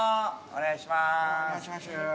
お願いします。